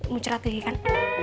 mau cerategi kan